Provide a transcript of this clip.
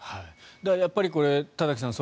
やっぱりこれ、田崎さん